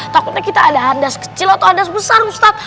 takutnya kita ada handas kecil atau handas besar ustad